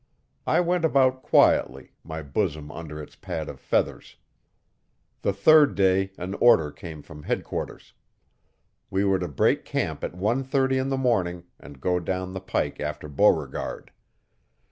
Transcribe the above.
I went about quietly, my bosom under its pad of feathers. The third day an order came from headquarters. We were to break camp at one thirty in the morning and go down the pike after Beauregard.